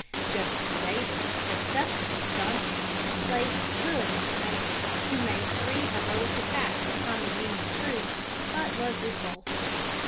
Jefferson Davis, disgusted with Johnston, placed Hood in command, who made three heroic attacks upon the Union troops, but was repulsed.